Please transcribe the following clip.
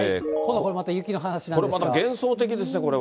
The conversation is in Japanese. これまた、幻想的ですね、これは。